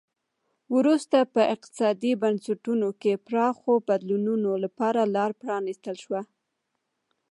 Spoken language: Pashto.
وروسته په اقتصادي بنسټونو کې پراخو بدلونونو لپاره لار پرانیستل شوه.